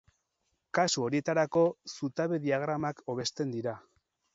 Kasu horietarako, zutabe-diagramak hobesten dira.